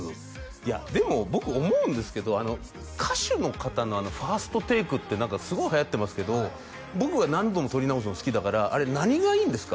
いやでも僕思うんですけど歌手の方の「ＦＩＲＳＴＴＡＫＥ」ってすごいはやってますけど僕は何度もとりなおすの好きだからあれ何がいいんですか？